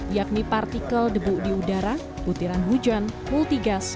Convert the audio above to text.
yakni partikel debu di udara putiran hujan multigas